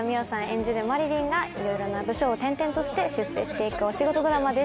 演じる麻理鈴がいろいろな部署を転々として出世して行くお仕事ドラマです。